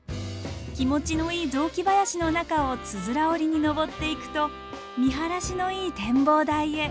気持ちのいい雑木林の中をつづら折りに登っていくと見晴らしのいい展望台へ。